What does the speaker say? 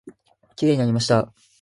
きれいになりました。